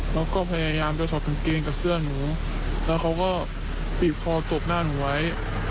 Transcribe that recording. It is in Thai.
เราก็พยายามจะถอดกางเกงกับเสื้อหนูแล้วเขาก็บีบคอตบหน้าหนูไว้